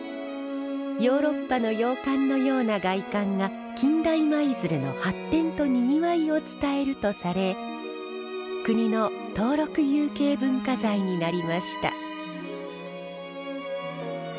ヨーロッパの洋館のような外観が近代舞鶴の発展とにぎわいを伝えるとされ国の登録有形文化財になりました。